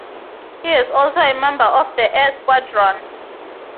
He is also a member of The Air Squadron.